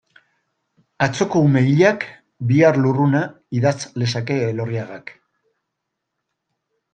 Atzoko ume hilak, bihar lurruna, idatz lezake Elorriagak.